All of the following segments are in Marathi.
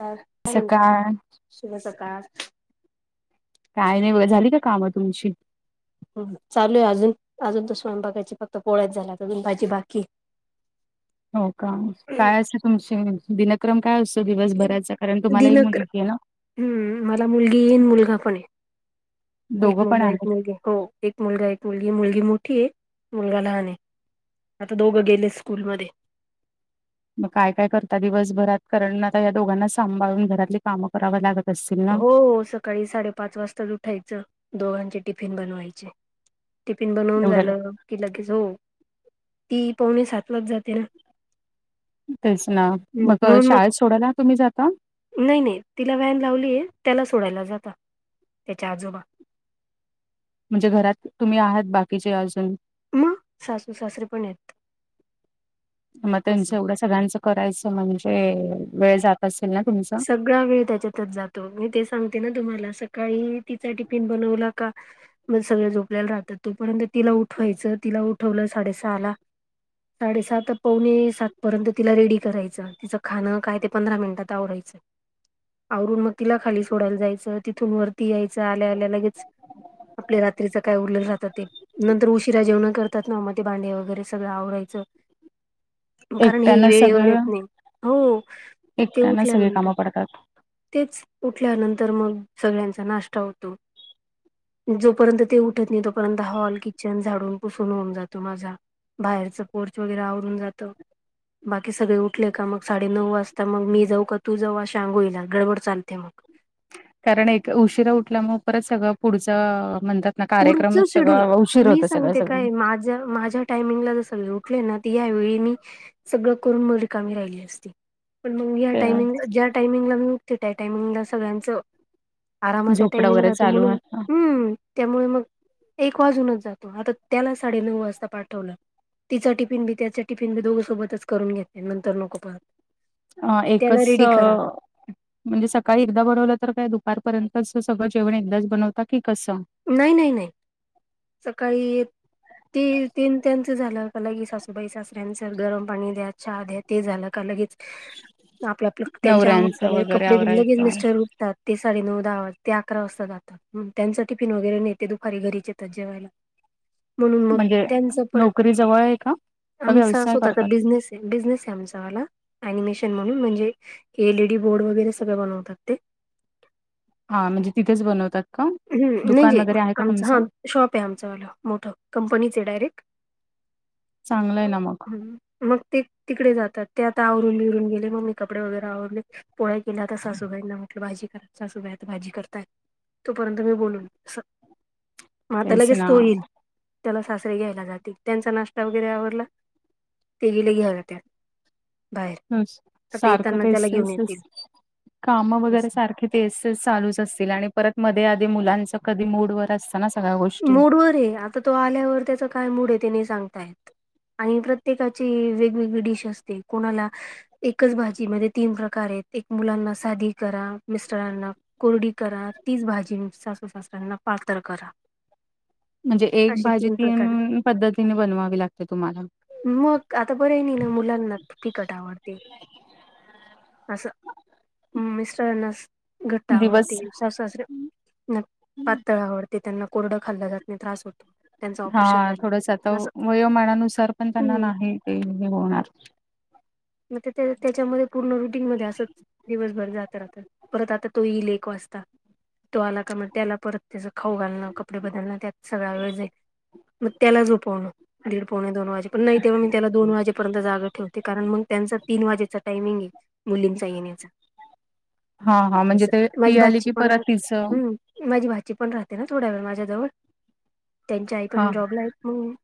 ह, सकाळ. शुभ सकाळ. काय नाही झाली का काम तुमची. चालू आहे अजून अजून त स्वयंपाकायची फक्त पोळ्यात झाला अजून भाजी बाकी हाय. हो का काय असं तुमचे दिनत. क्रम काय असतो दिवसभराचा कारण तुम्हाला ही दिनक मुलगी हाय ना. हम्म, मला मुलगी येन मुलगा पण आहे एक दोघं पण मुलगा एक आहेत. मुलगी. हो एक मुलगा एक मुलगी मुलगी मोठी आहे मुलगा लहान आहे. आता दोघं गेले स्कूलमध्ये. मग काय काय करता दिवसभरात कारण आता या दोघांना सांभाळून घरातले. काम कराव लागत असतील ना. हो सकाळी साडेपाच वाजताच उठायचं दोघांचे टिफिन बनवायचे. टिफिन बनवून एवढ्या लव झालं की, लगेच हो ती पावणे सात लाच जाते ना. तेच ना मग शाळेत सोडायला तुम्ही जाता. नाही नाही तिला व्हॅन लावलीय त्याला सोडायला जात त्याच्या आजोबा. म्हणजे घरात तुम्ही आहात बाकीचे अजून. मग सासू सासरीे पण आहेत. मग असं त्यांचं एवढं सगळ्यांचं करायचं म्हणजे वेळ जात असेल ना तुमच. सगळा्या वेळ त्याच्यातच जातो. त मी ते सांगते ना तुम्हाला सकाळी तिचा टिफिन बनवला का. मग सगळं झोपल्याला राहतात तोपर्यंत तिला उठवायचं तिला उठवलं साडेसहा ला. साडेसात पवणे सात पर्यंत तिला रेडी करायचं तिचं खां काय ते पंधरा मिनिटात आवडयचं. आवरून मग तिला खाली सोडायला जायचं तिथून वरती यायचं आल्या आल्या लगेच. आपल्या रात्रीच काय उरलेल रातात ते. नंतर उशिरा जेवण करतात ना मग ते भांडे वगैरे सगळं आवरायचं. कारण हे एकट्यानं वेळेवर येत सगळं नाही हो ते उठल्या नं. म [unintelligible] पडतात तेच उठल्यानंतर मग सगळ्यांचा नाष्टा होतो. जोपर्यंत ते उठत नाही तोपर्यंत हॉल किचन झाडून पुसून होऊन जातो माझा. बाहेरचं पोर्च वगैरे आवरून जातं. बाकी सगळे उठले का मग साडे नऊ वाजता मग मी जाऊ का. तू जव्हा शांगुईला गडबड चालते मग. कारण एक उशिरा उठल्यामुळे परत सगळं पुढचं म्हणतात ना पुढचं कार्यक्रमच शेड्यूल सगळं उशीर मी होतं सगळं सांगते सगळं. काय माझ्या माझ्या टायमिंगला जस उठले ना ती यावेेळी मी सगळं करून मंं रीकामी राहिली असती. पण मग या ते टायमिंगला ज्या टायमिंगला मी उठते त्या टायमिंगला सगळ्यांचं आरामाचा झोपडं टाइमिंग वगैरे राहतो चालू म्हणून हम्म त्यामुळे मग एक वाजूनच जातो, आता त्याला साडेनऊ वाजता पाठवलं तिचा टिफिन बी त्याच टिफिन बी दोघं सोबतच करून घेते नंतर नको परत हां ऐकस म्हणजे सकाळी एकदा बनवलं तर काय दुपारपर्यंतच सगळं जेवण एकदाच बनवत की कसं? नाही नाही नाही. सकाळी ती तीन त्यांच झालं, का लगेच सासूबाई, सासऱ्यांचं गरम पाणी द्या, चहा द्या ते झालं का लगेच आपलं आपलं त्यांची आंघोळ नवऱ्यांचं झाल्याव ये वगैरे कपडे बि लगेच आवरायचं मिस्टर उठतात ते साडे नऊ, दहा वाज ते अकरा वाजता जातात, त्यांचं टिफिन वगैरे नेते दुपारी घरीचे तात जेवायला. म्हणून मग म्हणजे त्यांच नोकरी जवळ आहे का? परत का आमचा व्यवसाय स्वतःचा करतात बिझनेस बिझनेस ये आमचा वाला अनिमेशन म्हणून म्हणजे एल ई डी बोर्ड वगैरे सगळं बनवतात ते. हा म्हणजे तिथेच बनवतात? का? हम्म दुकान म्हणजे वगैरे आहे का आमचा हा तुमचं शॉप ये आमचावाल मोठं कंपनीच ये डायरेक्ट. चांगलं आहे हम् ना मग हम्म. मग ते तिकडे जातात, ते आता आवरून बिवरून गेले मग मी कपडे वगैरे आवरले पोळ्या केल्या, आता सासूबाईंना म्हटलं भाजी करा, सासूबाई आता भाजी करतायत. तोपर्यंत मी बोलून स मग आता तेच लगेच तो ना. येईल. त्याला सासरे घ्यायला जातील, त्यांचा नाश्ता वगैरे आवरला, ते गेले घ्यायला त्याला. ह सारखं येताना तेच त्याला तेच घेऊन येतील तेच काम असं वगैरे सारखे तेच तेच चालूच असतील आणि परत मध्ये आधी मुलांच कधी मूड वर असत ना मूडवर ये, आता तो आल्यावर त्याच काय मूड ये ते नाही सांगता येत. आणि प्रत्येकाची वेगवेगळी डिश असते, कोणाला एकच भाजीमध्ये तीन प्रकार येत, एक मुलांना साधी करा, मिस्टरांना कोरडी करा, तीच भाजी मग सासू सासऱ्यांना पातळ करा. म्हणजे एक असे भाजी प्रकार तीन पद्धतीने बनवावी लागते तुम्हाला? मग आता पर्याय नाही ना मुलांना फीकट आवडते. असं मिस्टराना असं घट्ट दिवस आवडती, सासुसासऱ्या ना पातळ आवडते त्यांना. कोरडं खाल्लं जात नाही त्रास होतो. त्यांचं हा ऑपरेशन थोडस आता झालं असं वयोमानानुसार पण त्यांना हम्म नाही ते हे होणार. मग ते त्याच्यामध्ये पूर्ण रुटीन मध्ये असंच दिवसभर जात राहत. परत आता तो येईल एक वाजता. तो आला का मग त्याला परत त्याच खाऊ घालणं, कपडे बदलणं, त्यात सगळा वेळ जाईल. मग त्याला झोपवणं, दीड पावणे दोन वाजेपर्यंत नाही तेव्हा मी त्याला दोन वाजेपर्यंत जाग ठेवते कारण मंग त्यांच तीन वाजेचा टायमिंग ये, मुलींचा येण्याचा. हा हा म्हणजे जसं ते माझी ती आली की भाची पण परत तिचं हम्म माझी भाची पण राहते ना थोडा वेळ माझ्याजवळ, त्यांची आई हा पण जॉबला आहेत मंग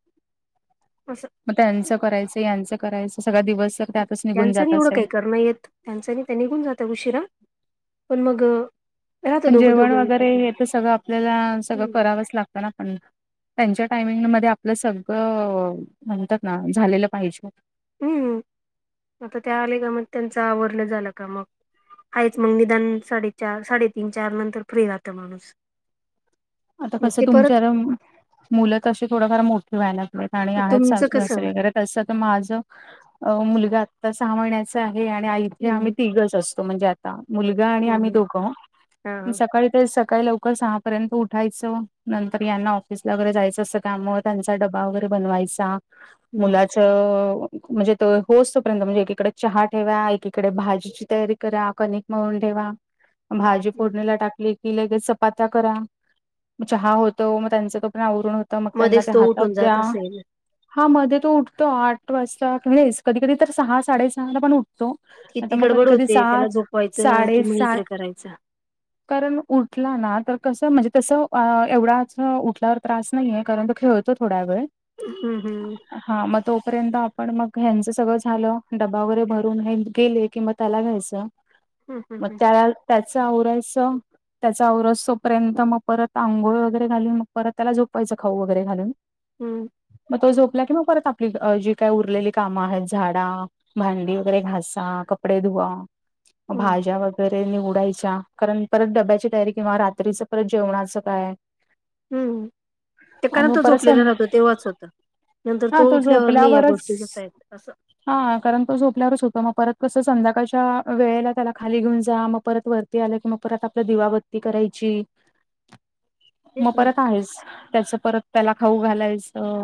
असं मग त्यांचं करायचं यांचं करायचं सगळा दिवस त्यातच निघून त्यांचंनी जातच एवढं आहे काही करण येत त्यांचांनी ते निघून जाता उशिरा पण मग राहत पण दोघं जेवण दोघं वगैरे येतात मग हे तर सगळं आपल्याला सगळं हम्म करावंच लागतं ना पण त्यांच्या टायमिंगमध्ये आपलं सगळं म्हणतात ना झालेलं पाहिजे हम्म, आता ते आले का मग त्यांचं आवरन झालं का मग आहेच मग निदान साडेचार साडेतीन चार नंतर फ्री राहातं माणूस आता मग कसं ते परत तुमच्यारम, मुलं तशी थोडफार मोठी व्हायला लाग नहीं पाणी आणाय तुमचं सासऱ्या कसं सगळीकडे तसं त माझं अ मुलगा आतां सहा महिन्याचा आहे आणि आई हे आम्ही हम्म तिघच असतो म्हणजे आतां मुलगा आणि आम्ही हम्म दोघं, हा हा. सकाळी ते सक काही लवकर सहा पर्यंत उ उठायचं नंतर यांना ऑफिसला वगैरे जायचं असं काम मुळ त्यांचा डबा वगैरे बनवायचा. हम्म मुला चं म्हणजे तो होस पर्यंत म्हणजे एकीकडे चहा ठेवा एकीकडे भाजीची तयारी करा कनिक मळून ठेवा, भाजी हम्म. फोडणीला टाकली की लगेच चपात्या करा. म चहा होतो मग त्यांचं तोपर्यंत आवरुण होतं मग त्यांना मध्येच ते तो उठून हातात जात द्या. असेल हा मध्ये तो उठतो आठ वाजता वेळेस कधी कधी तर सहा साडेसहा ला पण उठ टतो आता किती मग कधी गडबड कधी होते त्याला सात झोपवायचं कि मग साडेसात इकडे करायचं कारण उठला ना तर कसं म्हणजे तसं अ एवढाच उठल्यावर त्रास नाहीये, कारण तो खेळतो थोड्या वेळ हम् हम्. हा म तोपर्यंत आपण मग ह्यांचं सगळं झालं डबा वगैरे भरून हे गेले की म त्याला घ्यायचं. हम्म मग हम्म त्याला त्याच आवरायचं त्याच आवरसोतो पर्यंत मग परत आंघोळ वगैरे घालून मग परत त्याला झोपवायचं खाऊ वगैरे घालून हम्म. मग तो झोपला कि मग परत आपली जी काय उरलेली कामं आहेत झाडा भांडी वगैरे घासा कपडे धुवा. हम्म भाज्या वगैरे निवडायच्या कारण परत डब्याच्या तयारी किंवा रात्रीच परत जेवणाचं काय. हम्म, ते आणि मग कन्हत परत झोपलेलं सं राहत तेव्हाचं होतं. नंतर तो उठल्यावर नई या गोष्टी करता येत असं हा कारण तो झोपल्यावरच होत मग परत कसं संध्याकाळच्या वेळेला त्याला खाली घेऊन जा मग परत वर ते आलं कि मग परत आपलं दिवाबत्ती करायची. तेच मग ना परत आहेस, त्याच परत त्याला खाऊ घालायचं.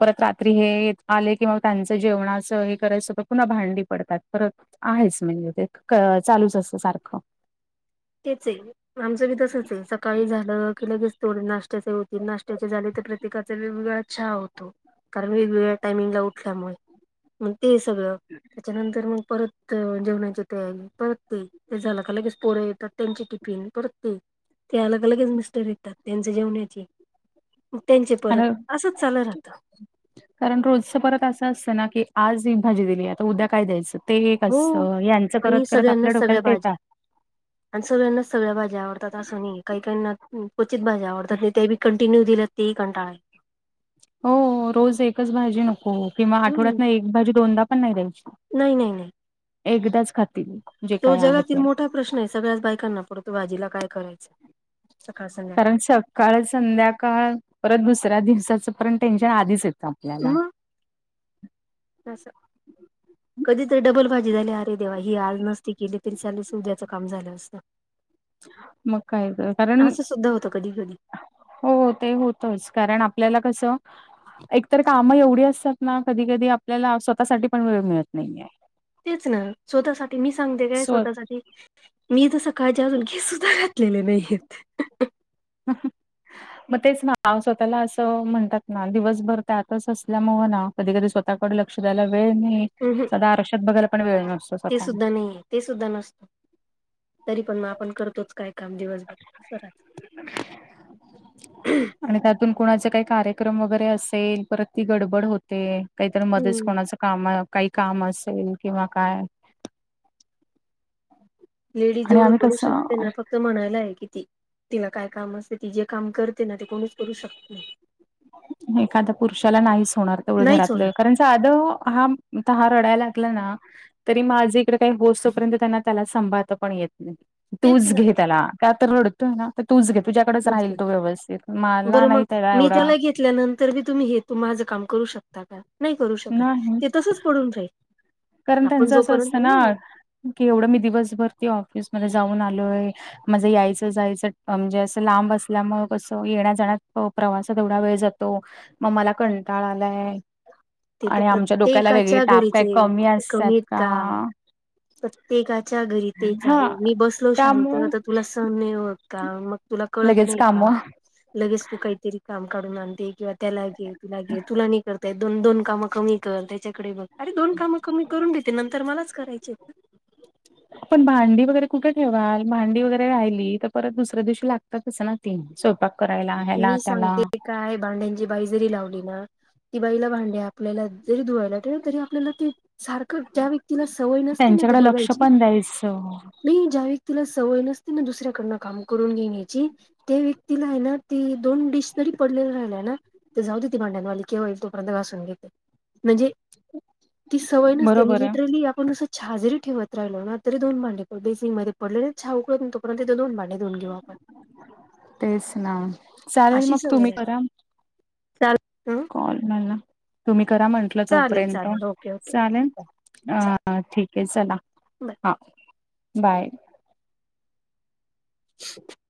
परत रात्री हे आले कि म त्यांचं जेवणाचं हे करायचं पुन्हा भांडी पडतात परत आहेच म्हणजे ते क चालूच असतं सारखं तेचं आमचं बी तसचं ये सकाळी झालं लगेचं तेवढे नाश्त्याचे होते, नाश्त्याचे झाले तर प्रत्येकाचा वेगवेगळा चहा होतो. कारण वेगवेगळ्या टाइमिंगला उठल्यामुळे, मग ते सगळं त्याच्यानंतर मग परत अ जेवणाची तयारी परत ते, ते झालं का लगेच पोरं येतात. त्यांची टिफिन. परत ते, ते अलग अलगेच मिस्टर येतात त्यांचे जेवणाची त्यांचे परत, आणि असंच चालू राहतं. कारण रोजचं परत असं असतं ना की, आज ही भाजी दिली आता उद्या काय द्यायचं. तेन एक हो असं यांचं करत आणि करत आपल्या सगळ्यांनाच सगळ्या डोक्याला भाज्या टेता आणि सगळ्यांनाच सगळ्या भाज्या आवडतात असं नाही कायी कायीना क्वचित भा आवतात तेींटिन्यू दिले तेी कंटा. हो रोज एकच भाजी नको. किंवा आठवड्यात हम्म ना एक भाजी दोनदा पण नाही द्यायची नाही नाही नाही एकदाच खातील. जे तो काय आहे जगातील ते मोठा प्रश्न आहे सगळ्याच बायकांना पडतो भाजीला काय करायचं. सकाळ कारण संध्याकाळ सव काळ संध्याकाळ परत दुसऱ्या दिवसाचं पर्ण टेन्शन आधीच येतं आपल्याला. तसं. कधीतरी डबल भाजी झाली अरे देवा ही आज नसती केली तरी चालेस उद्याचं काम झालं असतं. मकाय क कारण असं सुद्धा होतं कधी कधी हो ते होतच कारण आपल्याला कसं एकतर काम एवढी असतात. ना कधी कधी आपल्याला स्वतःसाठी पण वेळ मिळत नाहीेये. तेच ना स्वतःसाठी मी सांगते काय स्व स्वतःसाठी मी जस काळजी अजून घेतध. लेले नाही आहेत. ह. मग तेच ना स्वतःला असं म्हणतात ना दिवसभर त्यातच असल्यामुं ना. कधी कधी स्वतःकडे लक्ष द्यायला वेळ नाही अहं, सदा आरक्षात बघायला पण वेळ नसतो. ते स्वतःला सुद्धा नाही आहे. ते सुद्धा नसतो तरी पण मग आपण करतोच काय काम दिवसभररा. आणि त्यातून कुणाचे काही कार्यक्रम वगैरे असेल परत ती गडबड होते. काहीतरी मध्येच हम्म कोणाचं काम काही काम असेल किंवा काय. लेडीज आणि जेवढं आम्ही करू शकते कसं ना फक्त. म्हणायला आहे कि ती तिला काय काम असते ती जे काम करते ना ते कोणीच करू शकते नाही. एखादा्या पुरुषाला नाहीच होणार तेवढं नाहीच होणार. घरातलं कारण. साध हा त ह रडायला लागला ना. तरी माझं इकडे काही होस् तोपर्यंत त्यांना त्याला संांभाळता पण येत नाही. तेच तूज ना. घेेतला कातर नोडत. ना तूच घे तुझ्याकडच राहील तू व्यवस्थित मला नाही त्याला एवढा. ल्यानंतर बी तुम्ही हे त माझं काम करू शकता का नाही करू शकत नाही ते तसच पडून जाईल. कारण त्यांचं असं असतं ना की एवढं मी दिवसभर त ऑफिसमध्येध्ये जाऊन आलोय. म्हजं यायचं जायचं म्हणजे असं लांब असल्यामुळे कसं येण्या जाणार. प्रवासात एवढा वेळ जातो मग मला कंटाळ आलाय. ते तर आणि आमच्या डोक्याला वेगळे प्रत्येकाच्या ताप घरीच काही कमी आहे असतात का. तर. प्रत्येकाच्या घरी तेच हा आहे मी बसलो शांत त्यामुळे तर तुला सह्य होत का मग तुला कळत लगेच नाही काम का. लगेच तू काहीतरी काम काढून आणते किंवा त्याला घे तुला घे तुला नाही करता दोन दोन काम कमी. कर त्याच्याकडे बघ अरे दोन कामं कर मी करून घेते नंतर मलाच करायचे. पण भांडी वगैरे कुठे ठेवाल भांडी वगैरे राहिली तर परत दुसऱ्या दिवशी लागते. तच चां तीन स् प मी सांगते. काय भांड्यांची बाई जरी लावली ना ती बाईला भांडडे आपल्याला जरी धुवाय. त आपल्याला सारख त्या व्यक्तीला सवय नसते ना ते त्यांच्याकडे लक्ष बघायची. पण द्यायचं नाही ज्या व्यक्तीला सवय नसते ना दुसऱ्याकडनं काम करून घेण्याची त्या व्यक्तीला आहे ना. ती दोन डिश तरी पडलेली राहिल्या ना ते जाऊ दे ती भांड्यांवाली कवाईल तोपर्यंत घासून घेते. म्हणजे ती सवय नसते आणि बरोबर आहे लिटरली आपण कसं छा जरी ठेवत राहिलो ना तरी दोन भांडे पडली बेसिंगमध्ये पडलेले छा उकळ पर्यंत ती दोन भांडे धुऊन घेऊ आपण. तेच ना, चालेल अशी मग सवय तुम्ही राहते करा चालेल कॉल मला, तुम्ही करा म्हंटलं चालेल तोपर्यंत, चालेल ओके ओके चालेल? चालेल अ ठीक आहे चला. हा बाय. [inaudible]